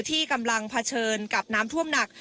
ที่กำลังเผชิญกับน้ำท่วมหนัก